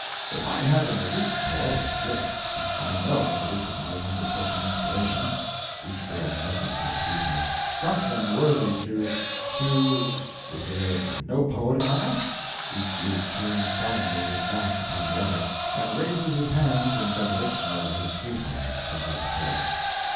If I had in the least poetic gift, I know I could improvise under such an inspiration (each girl nudges her sweetheart) something worthy to to Is there no poet among us? (Each youth turns solemnly his back upon the other, and raises his hands in benediction over his sweetheart's bowed head.)